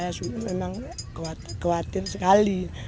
saya memang khawatir sekali